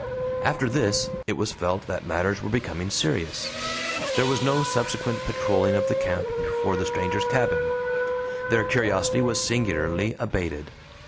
After this it was felt that matters were becoming serious. There was no subsequent patrolling of the camp before the stranger's cabin. Their curiosity was singularly abated.